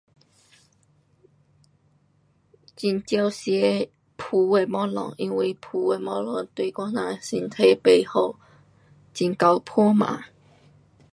很少吃炸的东西，因为炸的东西对我人的身体不好。很会迫病。